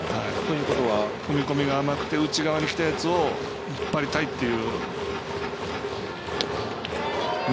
踏み込みが甘くて内側にきたやつを引っ張りたいという。